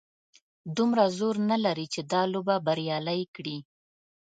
دومره زور نه لري چې دا لوبه بریالۍ کړي.